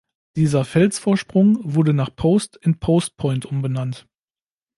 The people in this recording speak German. Dieser Felsvorsprung wurde nach Post in "Post Point" umbenannt.